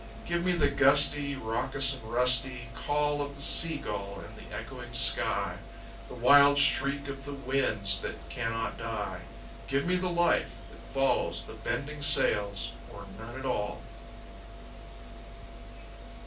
Give me the gusty, Raucous and rusty Call of the sea gull in the echoing sky, The wild shriek of the winds that cannot die, Give me the life that follows the bending sails, Or none at all!